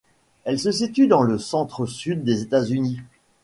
Elle se situe dans le centre-sud des États-Unis.